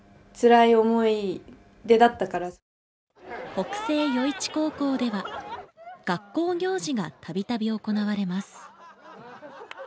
北星余市高校では学校行事がたびたび行われます。